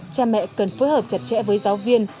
cha mẹ cần phối hợp chặt chẽ với giáo viên